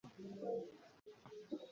বলুক, স্যার।